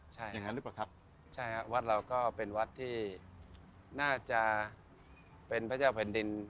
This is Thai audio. ใช่อย่างนั้นหรือเปล่าครับใช่ครับวัดเราก็เป็นวัดที่น่าจะเป็นพระเจ้าแผ่นดิน